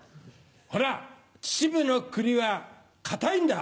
ほら秩父のクリは堅いんだ。